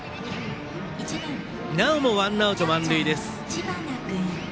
なおもワンアウト満塁。